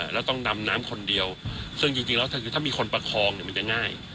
แล้วต้องดำน้ำคนเดียวซึ่งจริงแล้วคือถ้ามีคนประคองเนี่ยมันจะง่าย